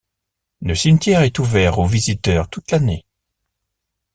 Le cimetière est ouvert aux visiteurs toute l'année.